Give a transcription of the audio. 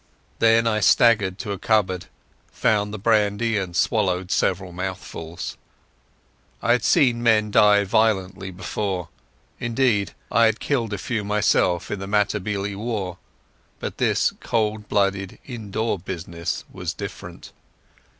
Then I staggered to a cupboard, found the brandy and swallowed several mouthfuls. I had seen men die violently before; indeed I had killed a few myself in the Matabele War; but this cold blooded indoor business was different.